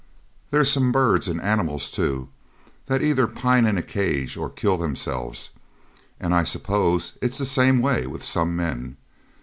There's some birds, and animals too, that either pine in a cage or kill themselves, and I suppose it's the same way with some men.